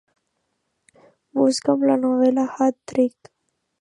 Busca"m la novel·la Hat Trick.